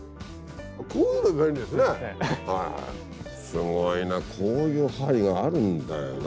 すごいなこういう針があるんだよな。